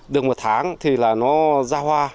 được một tháng thì là nó ra hoa